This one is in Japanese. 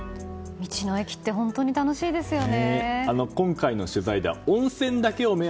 道の駅って本当に楽しいですよね。